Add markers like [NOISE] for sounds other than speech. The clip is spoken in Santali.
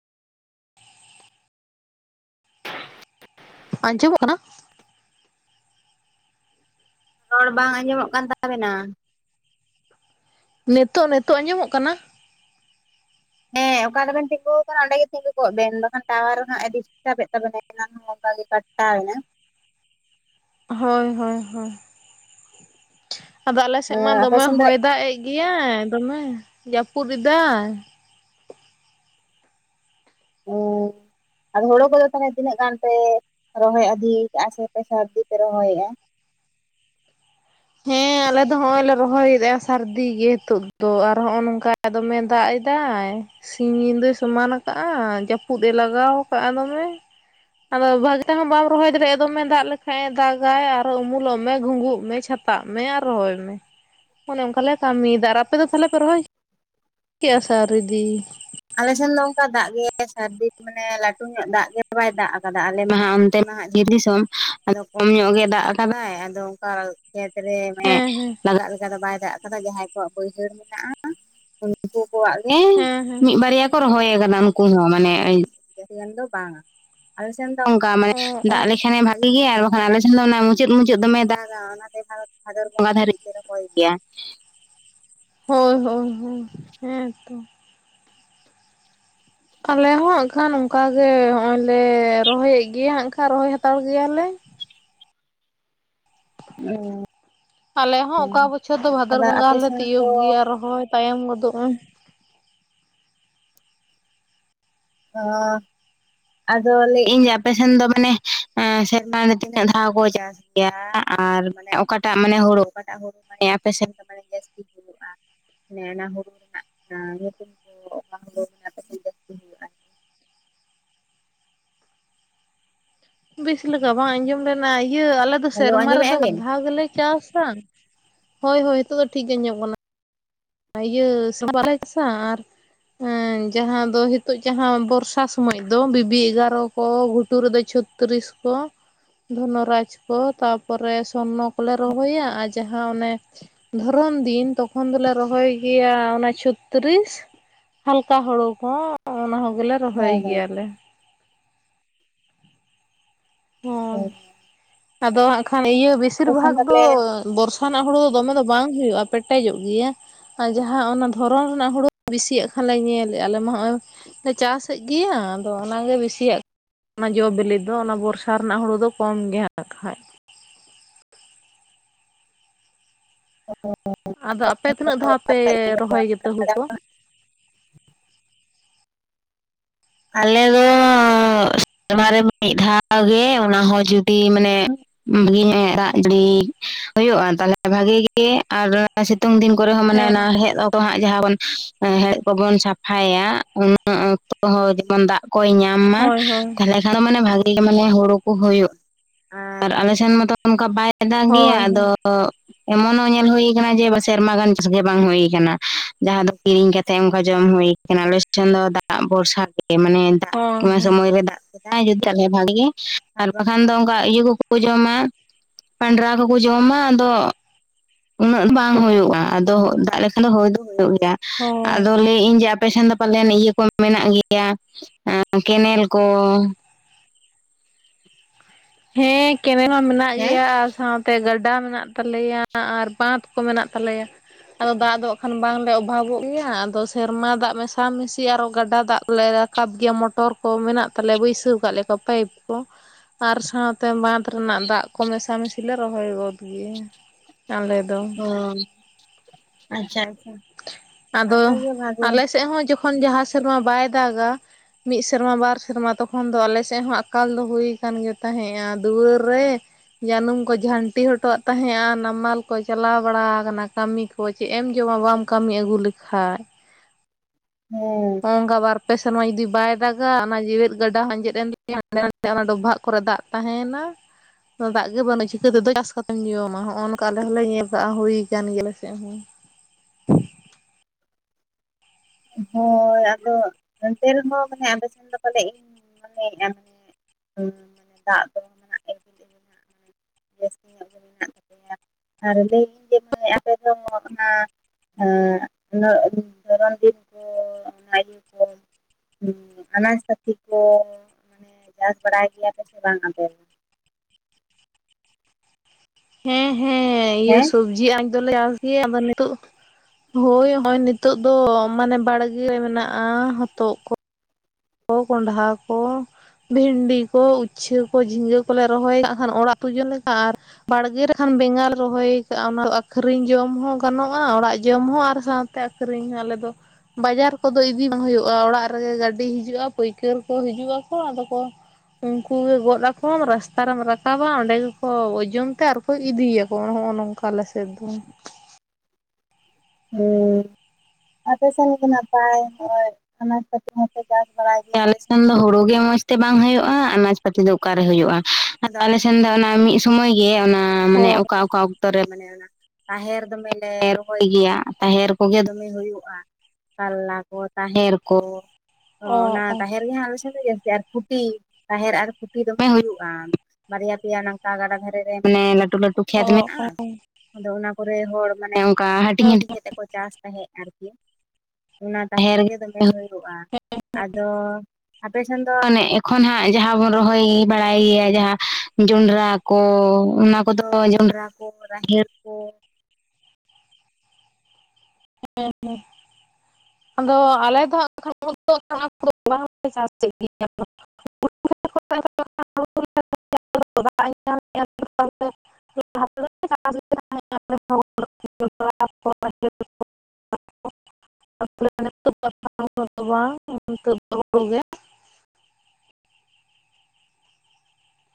ᱟᱸᱡᱚᱢᱚᱜ ᱠᱟᱱᱟ? ᱨᱚᱲ ᱵᱟᱝ ᱟᱸᱡᱚᱢᱚᱜ ᱠᱟᱱ ᱛᱟᱵᱮᱱᱟ᱾ ᱱᱤᱛᱚᱜ ᱱᱤᱛᱚᱜ ᱟᱸᱡᱚᱢᱚᱜ ᱠᱟᱱᱟ? ᱦᱮᱸ ᱚᱠᱟ ᱫᱚᱵᱮᱱ ᱛᱤᱸᱜᱩᱣ ᱠᱟᱱᱟ ᱚᱸᱰᱮ ᱜᱮ ᱛᱤᱸᱜᱩ ᱠᱚᱜ ᱵᱮᱱ ᱵᱟᱠᱷᱟᱱ ᱴᱟᱣᱟᱨ ᱦᱟᱸᱜ-ᱮ ᱰᱤᱥᱴᱟᱵ ᱮᱫ ᱛᱟᱵᱮᱱᱟᱭ᱾ [UNINTELLIGIBLE] ᱠᱟ ᱵᱟᱴᱟᱣᱮ ᱦᱳᱭ ᱦᱳᱭ ᱦᱳᱭ ᱟᱫᱚ ᱟᱞ ᱥᱮᱫ ᱢᱟ ᱟᱯᱮ ᱫᱚᱢᱮ ᱥᱮᱱ ᱫᱚ ᱦᱚᱭ ᱫᱟᱜ ᱜᱮᱭᱟᱭ ᱫᱚᱢᱮ ᱡᱟᱹᱯᱩᱫ ᱮᱫᱟᱭ [INAUDIBLE] ᱟᱫᱚ ᱦᱳᱲᱳ ᱠᱚᱫᱚ ᱛᱟᱦᱚᱞᱮ ᱛᱤᱱᱟᱹᱜ ᱜᱟᱱ ᱯᱮ ᱨᱚᱦᱚᱭ ᱟᱫᱷᱤᱭ ᱠᱟᱜᱼᱟ ᱥᱮ ᱯᱮ ᱥᱟᱨᱫᱤ ᱯᱮ ᱨᱚᱦᱚᱭᱮᱫᱼᱟ ᱦᱮᱸ ᱟᱞᱮ ᱫᱚ ᱦᱚᱜᱼᱚᱭ ᱞᱮ ᱨᱚᱦᱚᱭᱮᱫᱼᱟ ᱥᱟᱹᱨᱫᱤ ᱜᱮ ᱱᱤᱛᱚᱜ ᱫᱚ ᱟᱨ ᱦᱚᱸᱜᱼᱚᱭ ᱱᱚᱝᱠᱟ ᱫᱚᱢᱮ ᱫᱟᱜ ᱮᱫᱟᱭ ᱥᱤᱧ ᱧᱤᱫᱟᱹᱭ ᱥᱚᱢᱟᱱ ᱟᱠᱟᱜᱼᱟ ᱡᱟᱹᱯᱩᱫᱮ ᱞᱟᱜᱟᱣ ᱟᱠᱟᱫᱼᱟ ᱫᱚᱢᱮ ᱟᱫᱚ ᱵᱷᱟᱹᱜᱤ ᱛᱮ ᱦᱚᱸ ᱵᱟᱢ ᱨᱚᱦᱚᱭ ᱫᱟᱲᱮᱭᱟᱜᱼᱟ ᱮ ᱫᱚᱢᱮ ᱫᱟᱜ ᱞᱮᱠᱷᱟᱱᱡ ᱫᱟᱜᱟᱭ ᱟᱨᱚ ᱩᱢᱩᱞᱚᱜ ᱢᱮ ᱜᱩᱸᱜᱩᱜ ᱢᱮ ᱪᱷᱟ ᱥᱮᱛᱟᱜ ᱢᱮ ᱟᱨ ᱨᱚᱦᱚᱭ ᱢᱮ ᱚᱱᱮ ᱚᱱᱠᱟ ᱞᱮ ᱠᱟᱹᱢᱤᱭᱮᱫᱟ ᱟᱨ ᱟᱯᱮ ᱫᱚ ᱛᱟᱦᱚᱞᱮ ᱯᱮ ᱨᱚᱦᱚᱭᱟ ᱠᱮ ᱥ [UNINTELLIGIBLE] ᱨᱮᱤᱫᱤ ᱟᱞᱮ ᱥᱮᱱ ᱫᱚ ᱚᱱᱠᱟ ᱫᱟᱜ ᱜᱮ ᱥᱟᱹᱨᱫᱤ ᱢᱟᱱᱮ ᱞᱟᱹᱴᱩ ᱧᱚᱜ ᱫᱟᱜ ᱜᱮ ᱵᱟᱭ ᱫᱟᱜ ᱠᱟᱫᱟ ᱟᱞᱮ ᱢᱟ ᱦᱟᱜ ᱚᱱᱛᱮ ᱢᱟ ᱦᱟᱸᱜ ᱫᱤᱥᱚᱢ ᱟᱫᱚ ᱠᱚᱢ ᱧᱚᱜ ᱜᱮ ᱫᱟᱜ ᱟᱠᱟᱫᱟᱭ ᱟᱫᱚ ᱚᱱᱠᱟ ᱠᱷᱮᱛ ᱨᱮ ᱢᱟᱱ ᱦᱮᱸ ᱦᱮᱸ ᱞᱟᱜᱟᱜ ᱞᱮᱠᱟ ᱫᱚ ᱵᱟᱭ ᱫᱟᱜ ᱟᱠᱟᱫᱟ ᱡᱟᱦᱟᱸᱭ ᱠᱚᱣᱟᱜ ᱵᱟᱹᱭᱦᱟᱹᱲ ᱢᱮᱱᱟᱜᱼᱟ᱾ ᱩᱱᱤᱠᱩ ᱠᱚᱣᱟᱜ ᱜᱮ ᱦᱮᱸ ᱦᱮᱸ ᱢᱤᱫ ᱵᱟᱨᱭᱟ ᱠᱚ ᱨᱚᱦᱚᱭ ᱟᱠᱟᱫᱟ ᱩᱱᱠᱩ ᱦᱚᱸ ᱢᱟᱱᱮ ᱡᱟᱹ ᱜᱟᱱ ᱫᱚ ᱵᱟᱝᱟ ᱟᱞᱮᱥᱮᱱ ᱫᱚ ᱚᱱᱠᱟ ᱢᱟᱱᱮ ᱚ ᱚ ᱫᱟᱜ ᱞᱮᱠᱷᱟᱱᱮ ᱵᱷᱟᱜᱤ ᱜᱮ ᱟᱨ ᱵᱟᱝᱠᱷᱟᱱ ᱟᱞᱮ ᱥᱮᱱ ᱫᱚ ᱢᱩᱪᱟᱹᱫ ᱢᱩᱪᱟᱹᱫ ᱫᱚᱢᱮ ᱫᱟᱜᱟ ᱚᱱᱟᱛᱮ ᱵᱷᱟᱫᱚᱨ ᱵᱚᱸᱜᱟ ᱫᱷᱵᱤᱡ ᱛᱮ ᱨᱚᱦᱚᱭ ᱜᱮᱭᱟ ᱦᱳᱭ ᱦᱳᱭ ᱦᱳᱭ ᱦᱮᱸᱛᱚ ᱟᱞᱮ ᱦᱚᱸ ᱮᱠᱷᱟᱱ ᱚᱱᱠᱟᱜ ᱜᱮ ᱦᱚᱜᱼᱚᱭ ᱞᱮ ᱨᱚᱦᱚᱭᱮᱫ ᱜᱮᱭᱟᱜ ᱮᱠᱷᱟᱱ ᱨᱚᱦᱚᱭ ᱦᱟᱛᱟᱲ ᱜᱮᱭᱟᱞᱮ ᱚ ᱟᱞᱮ ᱦᱚᱸ ᱚᱠᱟ ᱵᱚᱪᱷᱚᱨ ᱫᱚ ᱵᱷᱟᱫᱚᱨ ᱟᱫᱚ ᱵᱚᱸᱜᱟ ᱟᱯᱮ ᱦᱚᱞᱮ ᱥᱮᱱ ᱛᱤᱭᱜ ᱫᱚ ᱜᱮᱭᱟ ᱨᱚᱦᱚᱭ ᱛᱟᱭᱚᱢ ᱜᱚᱫᱚᱜ ᱟᱹ ᱚ ᱟᱫᱚ ᱞᱟᱹᱭ ᱮᱫᱤᱧ ᱟᱯᱮᱥᱱ ᱫᱚ ᱢᱟᱱᱮ ᱥᱮᱨᱢᱟ ᱨᱮ ᱛᱤᱱᱟᱹᱜ ᱫᱷᱟᱣ ᱠᱚ ᱪᱟᱥᱟ ᱜᱮᱭᱟ ᱟᱨ ᱢᱟᱱᱮ ᱚᱠᱟᱴᱟᱜ ᱢᱟᱱᱮ ᱦᱩᱲᱩ ᱚᱠᱟᱴᱟᱜ ᱦᱩᱲᱩ ᱢᱟᱱᱮ ᱟᱯᱮ ᱥᱮᱱ ᱢᱟᱱᱮ ᱡᱟᱹᱥᱛᱤ [UNINTELLIGIBLE] ᱟᱱᱮ ᱚᱱᱟ ᱦᱩᱲᱩ ᱨᱮᱱᱟᱜ ᱧᱩᱛᱩᱢ ᱠᱚ ᱚᱱᱟ ᱦᱩᱲᱩ ᱡᱟᱹᱛᱤ ᱦᱩᱭᱩᱜᱼᱟ [UNINTELLIGIBLE] ᱵᱤᱥ ᱞᱮᱠᱟ ᱵᱟᱝ ᱟᱸᱡᱚᱢ ᱞᱮᱱᱟ ᱤᱭᱟᱹ ᱟᱞᱮ ᱫᱚ ᱦᱮᱞᱳ ᱥᱮᱨᱢᱟ ᱨᱮᱫᱚ ᱟᱸᱡᱚᱢᱮᱫᱼᱟ ᱵᱟ ᱵᱤᱱ ᱫᱷᱟᱣ ᱜᱮᱞᱮ ᱪᱟᱥᱟ ᱦᱳᱭ ᱦᱳᱭ ᱱᱤᱛᱳ ᱫᱚ ᱴᱷᱤᱠ ᱜᱮ ᱧᱚᱜ ᱠᱟᱱᱟ ᱤᱭᱟᱹ ᱥᱢ ᱵᱟᱨᱟᱭ ᱪᱟᱥᱟ ᱟᱨ ᱮᱸ ᱡᱟᱦᱟᱸ ᱫᱚ ᱱᱤᱛᱚᱜ ᱡᱟᱦᱟᱸ ᱵᱚᱨᱥᱟ ᱥᱩᱚᱢᱚᱭ ᱫᱚ ᱵᱤᱵᱤ ᱮᱜᱟᱨᱚ ᱠᱚ ᱜᱷᱩᱴᱩ ᱨᱮᱫᱚ ᱪᱷᱩ ᱛᱤᱨᱤᱥ ᱠᱚ ᱫᱷᱚᱱᱚᱨᱟᱡᱽ ᱠᱚ ᱛᱟᱯᱚᱨᱮ ᱥᱚᱨᱱᱚ ᱠᱚᱞᱮ ᱨᱚᱦᱚᱭᱟ ᱟᱨ ᱡᱟᱦᱟᱸ ᱚᱱᱮ ᱫᱷᱚᱨᱚᱱ ᱫᱤᱱ ᱛᱚᱠᱷᱚᱱ ᱫᱚᱞᱮ ᱨᱚᱦᱚᱭ ᱜᱮᱭᱟ ᱚᱱᱟ ᱪᱷᱚᱛᱨᱤᱥ ᱦᱟᱞᱠᱟ ᱦᱩᱲᱩ ᱦᱚᱸ ᱚᱱᱟ ᱦᱚᱸ ᱜᱮᱞᱮ ᱨᱚᱦᱚᱭ ᱦᱮᱸ ᱦᱮᱸ ᱜᱮᱭᱟ ᱞᱮ ᱦᱳᱭ ᱦᱮᱸ ᱟᱫᱚ ᱦᱟᱸᱜ ᱠᱷᱟᱱ ᱤᱭᱟᱹ ᱵᱮᱥᱤᱨ ᱟᱯᱮ ᱥᱮᱱ ᱵᱷᱟᱜᱽ ᱫᱚ ᱯᱟᱞᱮᱱ ᱵᱚᱨᱥᱟ ᱱᱟᱜ ᱦᱩᱲᱩ ᱫᱚ ᱫᱚᱢᱮ ᱫᱚ ᱵᱟᱝ ᱦᱩᱭᱩᱜᱼᱟ ᱯᱮᱴᱮᱡᱚᱜ ᱜᱮᱭᱟ ᱟᱨ ᱡᱟᱦᱟᱸ ᱚᱱᱟ ᱫᱷᱚᱨᱚᱢ ᱨᱮᱱᱟᱜ ᱦᱩᱲᱩ ᱵᱮᱥᱤᱭᱟᱜ ᱠᱷᱟᱱᱞᱮ ᱧᱮᱞ ᱮᱫᱼᱟ ᱟᱞᱮ ᱢᱟ ᱱᱚᱜᱼᱚᱭ ᱪᱟᱹᱥ ᱮᱜ ᱜᱮᱭᱟ ᱟᱫᱚ ᱚᱱᱟᱜᱮ ᱵᱮᱥᱤᱭᱟᱜ ᱚᱱᱟ ᱡᱚ ᱵᱤᱞᱤ ᱫᱚ ᱚᱱᱟ ᱵᱚᱨᱥᱟ ᱵᱚᱨᱥᱟ ᱨᱮᱱᱟᱜ ᱦᱩᱲᱩ ᱫᱚ ᱠᱚᱢ ᱜᱮᱭᱟ ᱠᱷᱟᱡ [UNINTELLIGIBLE] ᱟᱫᱚ ᱟᱯᱮ ᱛᱤᱱᱟᱹᱜ ᱫᱷᱟᱣ ᱯᱮ ᱨᱚᱦᱚᱭ ᱜᱮᱛᱚ ᱦᱩᱲᱩ ᱠᱚ ᱟᱞᱮ ᱫᱚ ᱥᱮᱨᱢᱟ ᱨᱮ ᱢᱤᱫ ᱫᱷᱟᱣ ᱜᱮ ᱚᱱᱟ ᱦᱚᱸ ᱡᱩᱫᱤ ᱢᱟᱱᱮ [UNINTELLIGIBLE] ᱦᱩᱭᱩᱜᱼᱟ ᱛᱟᱞᱦᱮ ᱵᱷᱟᱜᱤ ᱟᱨ ᱥᱤᱛᱩᱝ ᱫᱤᱱ ᱠᱚᱨᱮ ᱦᱚᱸ ᱢᱟᱱᱮ ᱦᱮᱸ ᱡᱟᱦᱟᱸ ᱵᱚᱱ᱾ ᱨᱮᱦᱮᱫ ᱠᱚᱵᱚᱱ ᱥᱟᱯᱷᱟᱭᱟ ᱩᱱᱟᱹᱜ ᱚᱠᱛᱚ ᱦᱚᱸ ᱡᱮᱢᱚᱱ ᱫᱟᱜᱼᱼ ᱠᱚᱭ ᱧᱟᱢ ᱢᱟ ᱦᱳᱭ ᱦᱳᱭ ᱛᱟᱦᱚᱞᱮᱼᱼ ᱢᱟᱱᱮ ᱵᱷᱟᱜᱤ ᱜᱮ ᱢᱟᱱᱮ ᱦᱩᱲᱩ ᱠᱚ ᱦᱩᱭᱩᱜᱼᱟ ᱟᱨ ᱟᱞᱮᱥᱮᱱ ᱢᱟᱛᱚᱼᱼ ᱚᱱᱠᱟ ᱵᱟᱭ ᱫᱟᱜ ᱦᱳᱭ ᱦᱳᱭ ᱜᱮᱭᱟ ᱟᱫᱚᱼᱼ ᱮᱢᱚᱱ ᱦᱚᱸ ᱧᱮᱞ ᱦᱩᱭ ᱟᱠᱟᱱᱟ ᱡᱮ ᱜᱟᱱ ᱛᱤᱥ ᱜᱮ ᱵᱟᱝ ᱦᱩᱭ ᱟᱠᱟᱱᱟ ᱡᱟᱦᱟᱸ ᱫᱚ ᱠᱤᱨᱤᱧ ᱠᱟᱛᱮᱜ ᱚᱱᱠᱟ ᱡᱚᱢ ᱦᱳᱭᱼᱼ ᱟᱞᱮ ᱴᱮᱱ ᱫᱚ ᱫᱟᱜ ᱵᱷᱚᱨᱥᱟ ᱛᱮᱜᱮ ᱢᱟᱱᱮ ᱫᱟᱜ ᱦᱳᱭ ᱦᱳᱭ ᱥᱚᱢᱚᱭ ᱨᱮ ᱫᱟᱜ᱾ ᱡᱩᱫᱤ ᱟᱞᱮ ᱵᱷᱟᱜᱤ ᱜᱮ ᱟᱨ ᱵᱟᱠᱷᱟᱱ ᱫᱚ ᱚᱱᱠᱟ ᱤᱭᱟᱹ ᱠᱚᱠᱚ ᱡᱚᱢᱟ᱾ ᱯᱟᱱᱰᱨᱟ ᱠᱚᱠᱚ ᱡᱚᱢᱟ ᱟᱫᱚᱼᱼ ᱩᱱᱟᱹᱜ ᱫᱚ ᱵᱟᱝ ᱦᱳᱭᱳᱜᱼᱟ ᱟᱫᱚ ᱫᱟᱜ ᱞᱮᱠᱷᱟᱱ ᱫᱚ ᱦᱳᱭ ᱫᱚ ᱦᱳᱭᱳᱜ ᱜᱮᱭᱟ ᱾ ᱦᱳᱭ ᱟᱫᱚ ᱞᱟᱹᱭ ᱮᱭᱟᱹᱧ ᱡᱮ ᱟᱯᱮ ᱥᱮᱱ ᱫᱚ ᱯᱟᱞᱮᱱ ᱤᱭᱟᱹ ᱠᱚᱼᱼ ᱢᱮᱱᱟᱜ ᱜᱮᱭᱟ ᱠᱮᱱᱮᱞ ᱠᱚ᱾ ᱦᱮᱸ ᱠᱮᱱᱮᱞ ᱦᱚᱸ ᱢᱮᱱᱟᱜ ᱦᱮᱸ ᱜᱮᱭᱟ ᱟᱨ ᱥᱟᱶᱛᱮᱼᱼ ᱛᱮ ᱜᱟᱰᱟ ᱢᱮᱱᱟᱜ ᱛᱟᱞᱮᱭᱟ ᱟᱨ ᱵᱟᱸᱫᱷ ᱠᱚ ᱢᱮᱱᱟᱜ ᱛᱟᱞᱮᱭᱟ᱾ ᱟᱫᱚ ᱫᱟᱜ ᱵᱟᱠᱷᱟᱱ ᱵᱟᱝᱞᱮ ᱚᱵᱷᱟᱵᱚᱜ ᱜᱮᱭᱟ ᱟᱫᱚ ᱥᱮᱨᱢᱟ ᱫᱟᱜ ᱢᱮᱥᱟ ᱢᱮᱥᱤ ᱟᱨᱚ ᱜᱟᱰᱟ ᱫᱟᱜ ᱞᱮ᱾ ᱨᱟᱠᱟᱯ ᱜᱮᱭᱟ ᱢᱚᱴᱚᱨ ᱠᱚ ᱢᱮᱱᱟᱜ ᱛᱟᱞᱮᱭᱟ ᱵᱟᱹᱭᱥᱟᱹᱣ ᱠᱟᱜ ᱞᱮᱭᱟ ᱠᱚ ᱯᱟᱭᱤᱯ ᱠᱚ ᱟᱨᱼᱼ ᱥᱟᱶᱛᱮ ᱵᱟᱸᱫᱷ ᱨᱮᱱᱟᱜ ᱫᱟᱜ ᱠᱚ ᱢᱮᱥᱟᱢᱮᱥᱤ ᱞᱮ ᱨᱚᱦᱚᱭ ᱜᱚᱫ ᱜᱮᱭᱟ᱾ ᱟᱞᱮ ᱫᱚ ᱚ ᱟᱪᱷᱟ ᱟᱪᱷᱟ ᱾ ᱟᱫᱚ ᱟᱞᱮ ᱥᱮᱫ ᱦᱚᱸ ᱡᱚᱠᱷᱚᱱ ᱡᱟᱦᱟᱸ ᱥᱮᱨᱢᱟ ᱵᱟᱭ ᱫᱟᱜᱟᱼᱼ ᱢᱤᱫ ᱥᱮᱨᱢᱟ ᱵᱟᱨ ᱥᱮᱨᱢᱟ ᱛᱚᱠᱷᱚᱱ ᱫᱚ ᱟᱞᱮ ᱥᱮᱫ ᱦᱚᱸ ᱟᱠᱟᱞ ᱫᱚ ᱦᱩᱭ ᱟᱠᱟᱱ ᱜᱮ ᱛᱟᱦᱮᱸᱫᱼᱟ ᱫᱩᱣᱟᱹᱨ ᱨᱮ᱾ ᱡᱟᱹᱱᱩᱢ ᱠᱚ ᱡᱷᱟᱱᱴᱤ ᱦᱚᱴᱚᱣᱟᱜ ᱛᱟᱦᱮᱸᱫᱼᱟ ᱱᱟᱢᱟᱞ ᱠᱚ ᱪᱟᱞᱟᱣ ᱵᱟᱲᱟ ᱟᱠᱟᱱᱟ ᱠᱟᱹᱢᱤ ᱠᱚ ᱪᱮᱫ ᱮᱢ ᱡᱚᱢᱟ ᱵᱟᱢᱼᱼ ᱠᱟᱹᱢᱤ ᱟᱹᱜᱩ ᱞᱮᱠᱷᱟᱡ᱾ ᱦᱮᱸ᱾ [UNINTELLIGIBLE] ᱵᱟᱨᱯᱮ ᱥᱮᱨᱢᱟ ᱡᱩᱫᱤ ᱵᱟᱭ ᱫᱟᱜᱟ ᱚᱱᱟ ᱡᱮᱣᱮᱫ ᱜᱟᱰᱟ ᱟᱸᱡᱮᱫ ᱮᱱ ᱜᱮ ᱦᱟᱸᱰᱮ ᱱᱟᱰᱮ ᱚᱱᱟ ᱰᱚᱵᱷᱟᱜ ᱠᱚᱨᱮ ᱫᱟᱜᱼᱼ ᱛᱟᱦᱮᱱᱟ᱾ ᱫᱟᱜ ᱜᱮ ᱵᱟᱹᱱᱩᱜᱼᱟ ᱪᱤᱠᱟᱹ ᱛᱮᱫᱚ ᱪᱟᱥ ᱠᱟᱛᱮᱢ ᱡᱚᱢᱟ ᱱᱚᱜᱼ ᱱᱚᱝᱠᱟ ᱟᱞᱮ ᱦᱚᱸᱞᱮ ᱧᱮᱞ ᱠᱟᱜᱼᱟ ᱦᱩᱭ ᱠᱟᱱ ᱜᱮᱭᱟ ᱟᱞᱮ ᱥᱮᱫ ᱦᱚᱸ᱾ ᱦᱳᱭ ᱟᱫᱚ ᱚᱱᱛᱮ ᱨᱮᱦ ᱢᱟᱱᱮ ᱟᱞᱮ ᱥᱮᱱ ᱫᱚ ᱯᱟᱞᱮᱫ ᱤᱧ ᱢᱚᱱᱮᱭᱮᱫᱼᱟ ᱢᱟᱱᱮᱼᱼ ᱢᱟᱱᱮ ᱫᱟᱜ ᱫᱚ ᱾ [INAUDIBLE] [UNINTELLIGIBLE] [UNINTELLIGIBLE] ᱟᱱᱟᱡᱽᱯᱟᱹᱛᱤ ᱠᱚ ᱪᱟᱥ ᱵᱟᱲᱟᱭ ᱜᱮᱭᱟᱯᱮ ᱥᱮ ᱵᱟᱝ ᱟᱯᱮ ᱫᱚ? ᱦᱮᱸ ᱦᱮᱸ ᱤᱭᱟᱹ ᱦᱮᱸ ᱥᱚᱵᱡᱤ ᱟᱸᱡ ᱫᱚᱞᱮ ᱪᱟᱥ ᱜᱮᱭᱟ ᱟᱫᱚ ᱱᱤᱛᱚᱜᱼᱼ ᱦᱳᱭ ᱦᱚᱜᱼᱚᱭ ᱱᱤᱛᱚᱜ ᱫᱚ ᱢᱟᱱᱮ ᱵᱟᱲᱜᱮ ᱨᱮ ᱢᱮᱱᱟᱜᱼᱟ ᱦᱚᱛᱚᱜ ᱠᱚ᱾ ᱠᱚ ᱠᱚᱸᱰᱦᱟ ᱠᱚ᱾ ᱵᱷᱤᱱᱰᱤ ᱠᱚ ᱩᱪᱷᱟᱹ ᱠᱚ ᱡᱷᱤᱸᱜᱟᱹ ᱠᱚᱞᱮ ᱨᱚᱦᱚᱭ ᱠᱟᱜ ᱠᱷᱟᱱ ᱚᱲᱟᱜ ᱯᱩᱡᱟᱹ ᱞᱮᱠᱟ ᱟᱨᱼᱼ ᱵᱟᱲᱜᱮ ᱨᱮᱠᱷᱟᱱ ᱵᱮᱸᱜᱟᱲ ᱨᱚᱦᱚᱭ ᱟᱠᱟᱜᱼᱟ ᱚᱱᱟ ᱟᱠᱷᱨᱤᱧ ᱡᱚᱢ ᱦᱚᱸ ᱜᱟᱱᱚᱜᱼᱟ ᱚᱲᱟᱜ ᱡᱚᱢ ᱦᱚᱸ ᱟᱨ ᱥᱟᱶᱛᱮᱼᱼ ᱟᱹᱠᱷᱨᱤᱧ ᱟᱞᱮ ᱫᱚ ᱵᱟᱡᱟᱨ ᱠᱚᱫᱚ ᱤᱫᱤ ᱵᱟᱝ ᱦᱩᱭᱩᱜᱼᱟ ᱚᱲᱟᱜ ᱨᱮᱜᱮ ᱜᱟᱹᱰᱤ᱾ ᱦᱤᱡᱩᱜᱼᱟ ᱯᱟᱹᱭᱠᱟᱹᱨ ᱠᱚ ᱦᱤᱡᱩᱜ ᱟᱠᱚ ᱟᱫᱚ ᱠᱚ, ᱩᱱᱠᱩᱜᱮ ᱜᱚᱫ ᱟᱠᱚᱢ ᱨᱟᱥᱛᱟ ᱨᱮᱢ ᱨᱟᱠᱟᱵᱟ ᱚᱸᱰᱮ ᱜᱮᱠᱚ ᱚᱡᱚᱱᱛᱮ ᱟᱨ᱾ ᱠᱚ ᱤᱫᱤᱭᱟᱠᱚ ᱦᱚᱸᱜᱼᱚ ᱱᱚᱝᱠᱟ ᱟᱞᱮ ᱥᱮᱫ ᱫᱚ᱾ ᱦᱩᱸ ᱟᱯᱮ ᱥᱮᱱ ᱜᱮ ᱱᱟᱯᱟᱭ ᱦᱳᱭ᱾ ᱟᱱᱟᱡᱽ ᱯᱟᱹᱛᱤ ᱦᱚᱸᱯᱮ ᱪᱟᱥ ᱵᱟᱲᱟᱭ ᱜᱮᱭᱟ ᱟᱞᱮᱥᱱ ᱫᱚ ᱦᱩᱲᱩ ᱜᱮ ᱢᱚᱸᱡᱽᱛᱮ ᱵᱟᱝ ᱦᱩᱭᱩᱜᱼᱟ ᱟᱱᱟᱼᱼ ᱯᱟᱛᱤ ᱫᱚ ᱚᱠᱟᱨᱮ ᱦᱩᱭᱩᱜᱼᱟ ᱟᱫᱚ ᱟᱞᱮᱥᱮᱱ ᱫᱚ ᱚᱱᱟ ᱢᱤᱫ ᱥᱩᱚᱢᱚᱭ ᱜᱮ ᱚᱱᱟ᱾ ᱢᱟᱱᱮ ᱚ ᱚᱠᱟ ᱚᱠᱟ ᱚᱠᱛᱚ ᱨᱮ ᱢᱟᱱᱮ ᱛᱟᱦᱮᱨ ᱫᱚᱢᱮᱱᱮ᱾ ᱜᱮᱭᱟ᱾ ᱛᱟᱦᱮᱨ ᱠᱚᱜᱮ ᱫᱚᱢᱮ ᱦᱩᱭᱩᱜ-ᱟ, ᱠᱟᱞᱞᱟ ᱠᱚ ᱛᱟᱦᱮᱨ ᱠᱚ᱾ ᱚ, ᱚᱱᱟ ᱛᱟᱦᱮᱨ ᱜᱮ ᱦᱟᱸᱜ ᱟᱞᱮ ᱥᱮᱱ ᱫᱚ ᱡᱟᱹᱥᱛᱤ ᱟᱨ ᱠᱷᱩᱴᱤ, ᱛᱟᱦᱮᱨ ᱟᱨ ᱠᱷᱩᱴᱤ ᱫᱚᱢᱮ ᱦᱩᱭᱩᱜ-ᱟ ᱵᱟᱨᱭᱟ ᱯᱮᱭᱟ ᱱᱚᱝᱠᱟ ᱜᱟᱰᱟ ᱫᱷᱟᱨᱮ ᱨᱮ᱾ ᱞᱟᱹᱴᱩ ᱞᱟᱹᱴᱩ ᱠᱷᱮᱛ ᱚ ᱢᱮᱱᱟᱜ-ᱟ, ᱚ ᱟᱫᱚ ᱚᱱᱟ ᱠᱚᱨᱮ ᱦᱚᱲ ᱢᱟᱱᱮ ᱚᱝᱠᱟ ᱦᱟᱹᱴᱤᱧ ᱦᱟᱹᱴᱤᱧ ᱠᱟᱛᱮᱫ ᱠᱚ ᱪᱟᱥ ᱛᱟᱦᱮᱸᱜ ᱟᱨᱠᱤ, ᱚᱱᱟ ᱛᱟᱦᱮᱨ ᱜᱮ ᱫᱚᱢᱮ ᱦᱩᱭᱩᱜᱚᱜ-ᱟ᱾ ᱦᱮᱸ᱾ ᱟᱫᱚᱻ ᱟᱯᱮ ᱥᱮᱱ ᱫᱚ ᱢᱟᱱᱮ ᱮᱠᱷᱚᱱ ᱦᱟᱸᱜ ᱡᱟᱦᱟᱸ ᱵᱚᱱ ᱨᱚᱦᱚᱭ ᱵᱟᱲᱟᱭ ᱜᱮᱭᱟ ᱡᱟᱦᱟᱸ ᱡᱚᱸᱰᱨᱟ᱾ ᱠᱚᱻ, ᱚᱱᱟ ᱠᱚᱫᱚ ᱡᱚᱸᱰᱨᱟ ᱠᱚ, ᱨᱟᱦᱮᱲ ᱠᱚ᱾ ᱦᱮᱸ ᱦᱮᱸ᱾ ᱟᱫᱚ ᱟᱞᱮ ᱫᱚ ᱦᱟᱸᱜ ᱠᱷᱟᱱ ᱪᱟᱥ ᱫᱚ ᱵᱟᱝᱞᱮ ᱪᱟᱥᱮᱫ ᱜᱮᱭᱟ ᱛᱚ᱾ [UNINTELLIGIBLE] [UNINTELLIGIBLE] [UNINTELLIGIBLE] [INAUDIBLE] [UNINTELLIGIBLE] ᱫᱚ ᱵᱟᱝ [UNINTELLIGIBLE] ᱜᱮᱭᱟ᱾